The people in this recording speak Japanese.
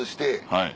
はい。